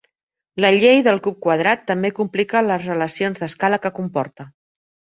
La llei del cub quadrat també complica les relacions d'escala que comporta.